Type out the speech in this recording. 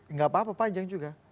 nggak apa apa panjang juga